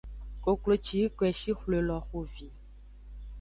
Koklo ci yi koeshi xwle lo xo evi.